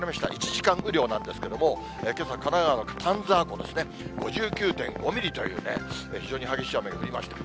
１時間雨量なんですけれども、けさ、神奈川の丹沢湖ですね、５９．５ミリというね、非常に激しい雨が降りました。